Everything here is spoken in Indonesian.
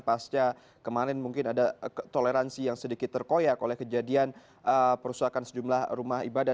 pasca kemarin mungkin ada toleransi yang sedikit terkoyak oleh kejadian perusahaan sejumlah rumah ibadah